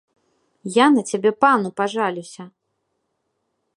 Я на цябе пану пажалюся.